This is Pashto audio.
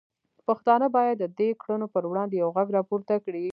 پښتانه باید د دې کړنو پر وړاندې یو غږ راپورته کړي.